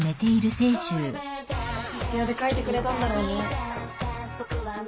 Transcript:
徹夜で書いてくれたんだろうね。